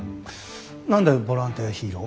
何でボランティアヒーロー？